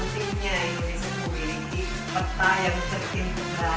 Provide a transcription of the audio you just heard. kita membuat peta peta biasa